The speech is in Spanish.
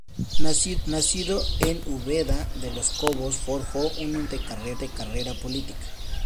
Nacido en Úbeda, De los Cobos forjó una impresionante carrera política.